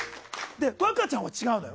若ちゃんは違うのよ。